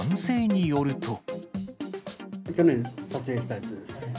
去年、撮影したやつです。